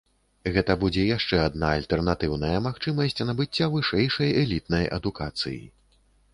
Гэта будзе яшчэ адна альтэрнатыўная магчымасць набыцця вышэйшай элітнай адукацыі.